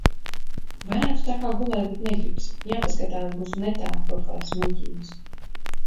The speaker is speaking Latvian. Varētu tā kā gulēt, bet negribas. Jāpaskatās būs netā kaut kādas muļķības.